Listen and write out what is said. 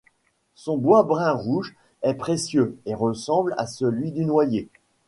Son bois brun-rouge est précieux et ressemble à celui du noyer.